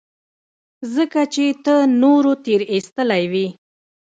ځکه چې ته نورو تېرايستلى وې.